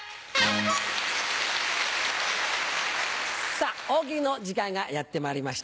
さぁ大喜利の時間がやってまいりました。